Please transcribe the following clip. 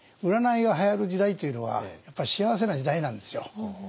占いがはやる時代というのはやっぱり幸せな時代なんですよ。